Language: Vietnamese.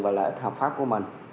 và lợi ích hợp pháp của mình